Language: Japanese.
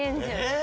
え！